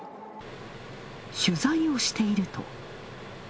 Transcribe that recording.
取材をしていると。